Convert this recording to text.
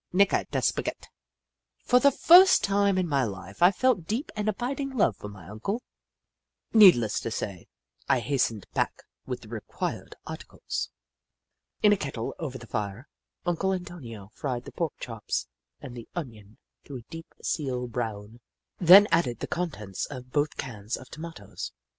Nica da spaghett !" For the first time in my Hfe, I felt deep and abiding love for my Uncle. Needless to say, I hastened back with the required articles. In a kettle, over the fire, Uncle Antonio fried the pork chops and the onion to a deep seal brown, then added the contents of both cans of tomatoes.